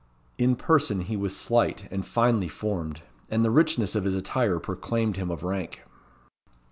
In person he was slight and finely formed; and the richness of his attire proclaimed him of rank.